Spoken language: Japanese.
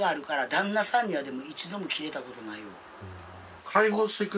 旦那さんには一度もキレたことないよ。